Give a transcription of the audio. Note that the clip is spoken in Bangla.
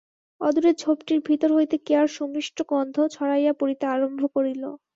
অদূরের ঝোপটির ভিতর হইতে কেয়ার সুমিষ্ট গন্ধ ছড়াইয়া পড়িতে আরম্ভ করিল।